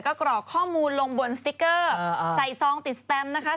ก็กรอกข้อมูลลงบนสติ๊กเกอร์ใส่ซองติดสแตมนะคะ